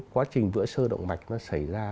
quá trình vữa sơ động mạch nó xảy ra